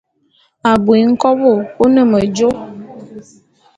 Abui nkôbo o ne medjo.